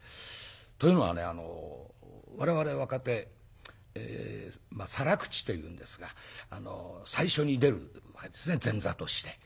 というのはね我々若手サラ口というんですが最初に出るわけですね前座として。